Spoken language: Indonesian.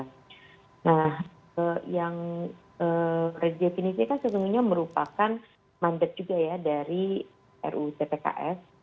nah yang redefinisikan sebenarnya merupakan mandat juga ya dari ru cpks